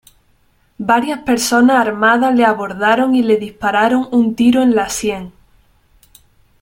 Varias personas armadas le abordaron y le dispararon un tiro en la sien.